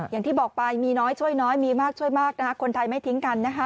อย่างที่บอกไปมีน้อยช่วยน้อยมีมากคนไทยไม่ทิ้งกันนะคะ